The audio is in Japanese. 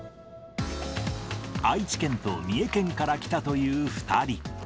愛知県と三重県から来たという２人。